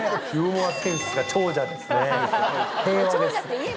平和です。